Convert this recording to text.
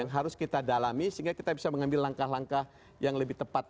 yang harus kita dalami sehingga kita bisa mengambil langkah langkah yang lebih tepat